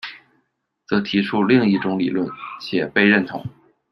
则提出另一种理论，且被认同。